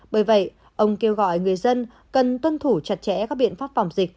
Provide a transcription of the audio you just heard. bởi vậy ông kêu gọi người dân cần tuân thủ chặt chẽ các biện pháp phòng dịch